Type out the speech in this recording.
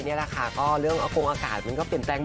นี่แหละค่ะก็เรื่องอากงอากาศมันก็เปลี่ยนแปลง